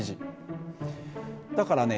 だからね